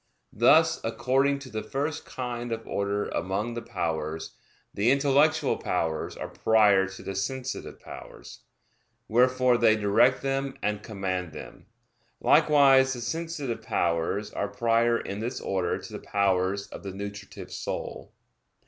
Thus, according to the first kind of order among the powers, the intellectual powers are prior to the sensitive powers; wherefore they direct them and command them. Likewise the sensitive powers are prior in this order to the powers of the nutritive soul.